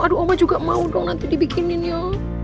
aduh oma juga mau dong nanti dibikinin yo